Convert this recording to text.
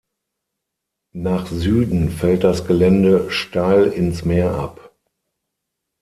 Nach Süden fällt das Gelände steil ins Meer ab.